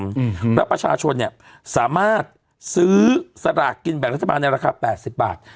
อืมแล้วประชาชนเนี้ยสามารถซื้อสลากกินแบ่งรัฐบาลในราคาแปดสิบบาท